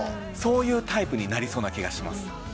そういうタイプになりそうな気がします。